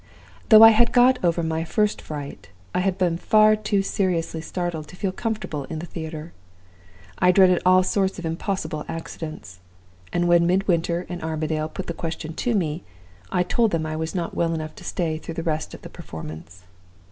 Though I had got over my first fright, I had been far too seriously startled to feel comfortable in the theater. I dreaded all sorts of impossible accidents; and when Midwinter and Armadale put the question to me, I told them I was not well enough to stay through the rest of the performance.